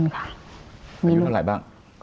แล้วอยู่เท่าไรบ้าง